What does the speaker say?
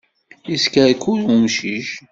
Yeskerkur umcic.